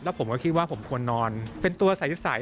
ผมก็คิดว่าผมควรนอนเป็นตัวใส